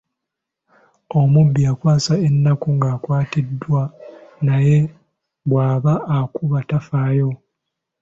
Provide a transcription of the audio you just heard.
Omubbi akwasa ennaku ng'akwatiddwa naye bwaba akubba tafaayo.